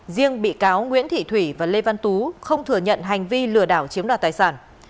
riêng bị cáo nguyễn thị thủy và lê văn tú không thừa nhận hành vi lừa đảo chiếm đoạt tài sản